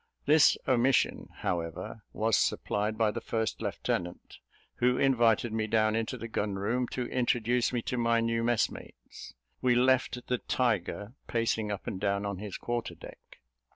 This omission, however, was supplied by the first lieutenant, who invited me down into the gun room, to introduce me to my new messmates. We left the tiger pacing up and down on his quarter deck.